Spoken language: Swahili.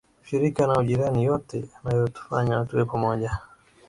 Ushirika na ujirani yote yanatufanya tuwe pamoja